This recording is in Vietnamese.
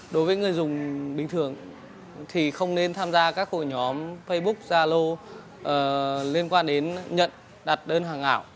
đối với người dùng bình thường thì không nên tham gia các hội nhóm facebook zalo liên quan đến nhận đặt đơn hàng ảo